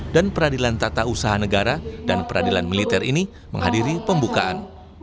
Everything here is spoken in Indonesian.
dan peradilan tata usaha negara dan peradilan militer ini menghadiri pembukaan